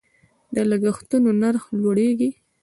د لګښتونو نرخ لوړیږي.